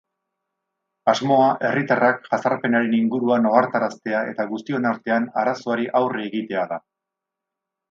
Asmoa, herritarrak jazarpenaren inguruan ohartaraztea eta guztion artean arazoari aurre egitea da.